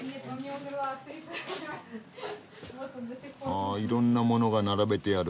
あいろんなものが並べてある。